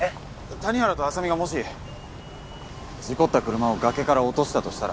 谷原と浅見がもし事故った車を崖から落としたとしたら